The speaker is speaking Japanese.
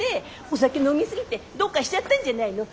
お酒飲みすぎてどうかしちゃったんじゃないの。